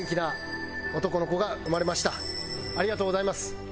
ありがとうございます。